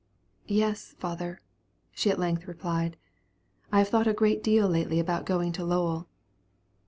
"Yes, father," she at length replied, "I have thought a great deal lately about going to Lowell."